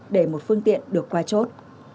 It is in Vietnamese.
để một phương tiện được qua chốt